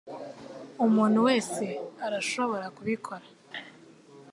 Umuntu wese arashobora kubikora.